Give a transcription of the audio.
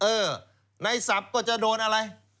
เออในศัพท์ก็จะโดนอะไร